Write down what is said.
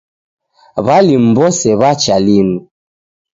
W'alimu wose wacha linu